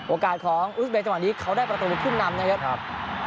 โอกาสของอึกในจังหวะนี้เขาได้ประตูขึ้นนำนะครับ